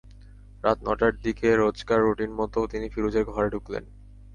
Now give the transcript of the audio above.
রাত নটার দিকে রোজকার রুটিনমতো তিনি ফিরোজের ঘরে ঢুকলেন।